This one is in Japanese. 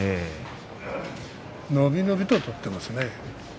伸び伸びと取っていますね。